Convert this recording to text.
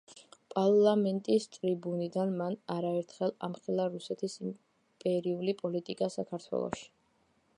პარლამენტის ტრიბუნიდან მან არაერთხელ ამხილა რუსეთის იმპერიული პოლიტიკა საქართველოში.